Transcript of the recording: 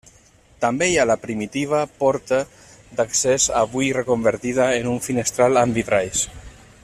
També hi ha la primitiva porta d'accés avui reconvertida en un finestral amb vitralls.